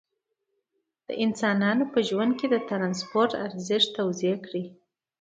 د انسانانو په ژوند کې د ترانسپورت ارزښت توضیح کړئ.